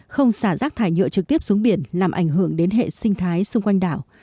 không xả rác thải nhựa trực tiếp xuống biển làm ảnh hưởng đến hệ sinh thái xung quanh đảo